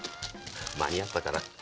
間に合ったかな？